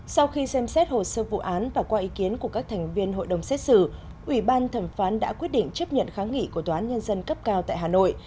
sau khi xem xét hồ sơ vụ án và qua ý kiến của các thành viên hội đồng xét xử ủy ban thẩm phán đã quyết định chấp nhận kháng nghị của tòa án nhân dân cấp cao tại hà nội